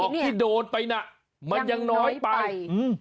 บอกที่โดนไปนะมันยังน้อยไป